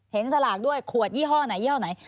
สลากด้วยขวดยี่ห้อไหนยี่ห้อไหน